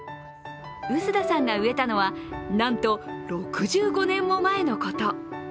臼田さんが植えたのはなんと６５年も前のこと。